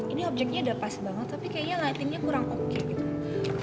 ini objeknya udah pas banget tapi kayaknya lightingnya kurang oke gitu